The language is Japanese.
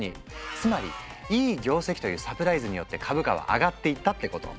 つまりいい業績というサプライズによって株価は上がっていったってこと。